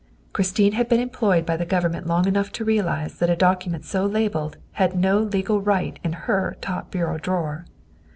Christine had been employed by the Government long enough to realize that a document so labelled had no legal right in her top bureau drawer.